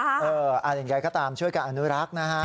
อะไรอย่างไรก็ตามช่วยกับอนุรักษ์นะครับ